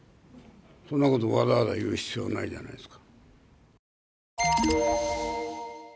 そんなこと、わざわざ言う必要ないじゃないですか。